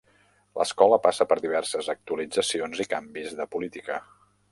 L'escola passa per diverses actualitzacions i canvis de política.